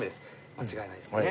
間違いないですね？